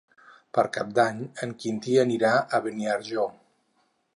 Per Cap d'Any en Quintí anirà a Beniarjó.